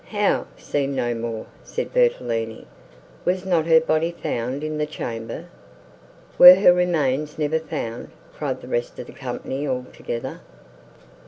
"How! seen no more!" said Bertolini, "was not her body found in the chamber?" "Were her remains never found?" cried the rest of the company all together.